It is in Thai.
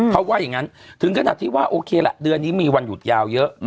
เขาว่าอย่างนั้นถึงขนาดที่ว่าโอเคละเดือนนี้มีวันหยุดยาวเยอะ